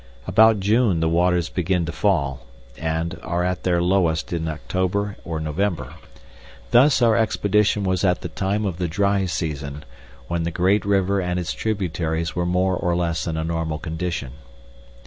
About June the waters begin to fall, and are at their lowest at October or November. Thus our expedition was at the time of the dry season, when the great river and its tributaries were more or less in a normal condition.